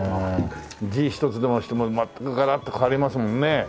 字ひとつでも全くガラッと変わりますもんね。